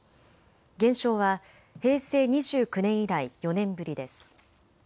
減少は平成２９年以来、４年ぶりです。